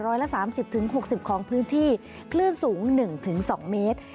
ร้อยละ๓๐๖๐ของพื้นที่คลื่นสูง๑๒เมตร